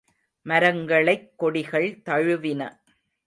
மரங்களைக் கொடிகள் தழுவின.